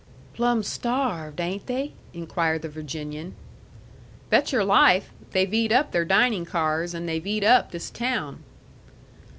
"Plumb starved, ain't they?" inquired the Virginian. "Bet your life! They've eat up their dining cars and they've eat up this town."